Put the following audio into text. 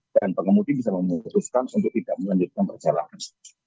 dan pengemudi bisa memutuskan untuk tidak melanjutkan perjalanan